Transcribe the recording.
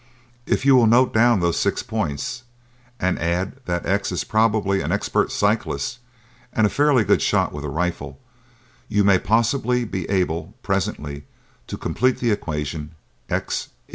"If you will note down those six points and add that X is probably an expert cyclist and a fairly good shot with a rifle, you may possibly be able, presently, to complete the equation, X =